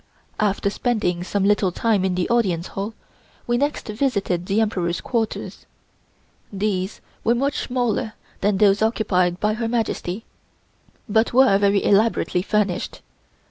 After spending some little time in the Audience Hall, we next visited the Emperor's quarters. These were much smaller than those occupied by Her Majesty, but were very elaborately furnished.